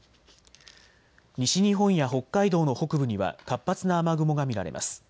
西日本や北海道の北部には活発な雨雲が見られます。